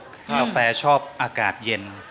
กาแฟชอบอากาศเย็น